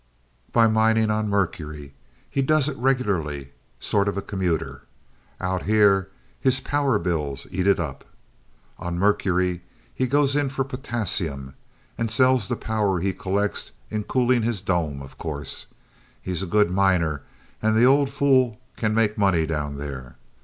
"By mining on Mercury. He does it regularly sort of a commuter. Out here his power bills eat it up. On Mercury he goes in for potassium, and sells the power he collects in cooling his dome, of course. He's a good miner, and the old fool can make money down there."